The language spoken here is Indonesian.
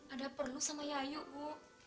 ada perlu sama yayu bu